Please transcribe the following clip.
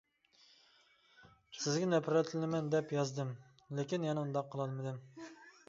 سىزگە نەپرەتلىنىمەن دەپ يازدىم لېكىن يەنە ئۇنداق قىلالمىدىم.